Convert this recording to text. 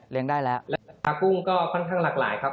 เลี้ยงได้แล้วแล้วก็กุ้งก็ค่อนข้างหลากหลายครับ